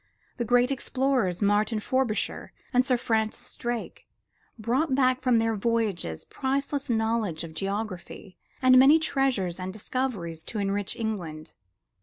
The great explorers, Martin Frobisher and Sir Francis Drake, brought back from their voyages priceless knowledge of geography, and many treasures and discoveries to enrich England.